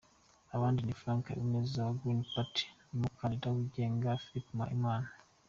Abandi ni Frank Habineza wa Green Party n’umukandida wigenga Philippe Mpayimana.